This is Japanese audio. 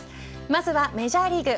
まずはメジャーリーグ。